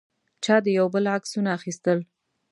چا د یو بل عکسونه اخیستل.